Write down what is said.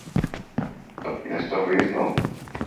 Desta vez não.